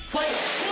うわ！